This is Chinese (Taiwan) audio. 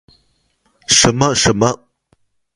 什麼什麼